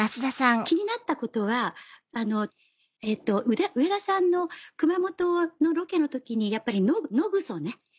気になったことは上田さんの熊本のロケの時にやっぱり野グソね。